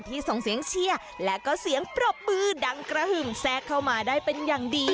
ที่ส่งเสียงเชียกับเสียงปรบมือดังกระหึ่งแซ่ะเข้ามาได้เป็นอย่างดี